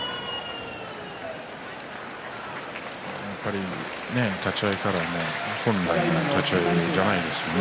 やっぱり立ち合いから本来の立ち合いではないですね。